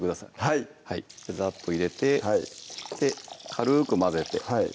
はいざっと入れて軽く混ぜてはい